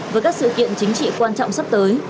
với các sự kiện chính trị quan trọng sắp tới